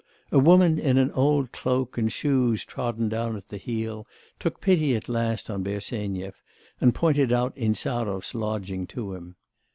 A woman in an old cloak, and shoes trodden down at heel, took pity at last on Bersenyev and pointed out Insarov's lodging to him.